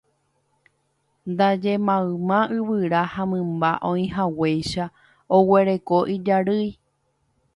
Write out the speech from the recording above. Ndaje mayma yvyra ha mymba oĩhaguéicha oguereko ijarýi.